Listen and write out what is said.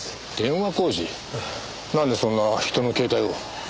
なんでそんな人の携帯を。